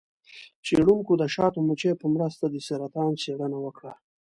څیړونکو د شاتو مچیو په مرسته د سرطان څیړنه وکړه.